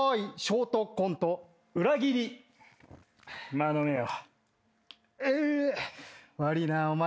まあ飲めよ。